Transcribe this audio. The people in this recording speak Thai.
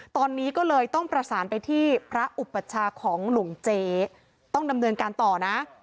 ตอนนี้ก็เลยต้องประสานไปที่พระอุปัชชาของหลวงเจ๊ต้องดำเนินการต่อนะ